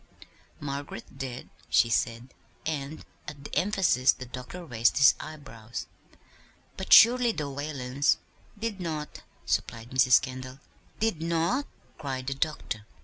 "Margaret did," she said; and at the emphasis the doctor raised his eyebrows. "But, surely the Whalens " "Did not," supplied Mrs. Kendall. "Did not!" cried the doctor.